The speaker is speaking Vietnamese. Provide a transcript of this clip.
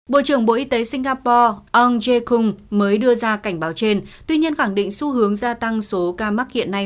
bộ trưởng bộ y tế singapore ông jae kung mới đưa ra cảnh báo trên tuy nhiên khẳng định xu hướng gia tăng số ca mắc hiện nay